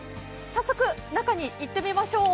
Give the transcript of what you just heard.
早速、中に行ってみましょう。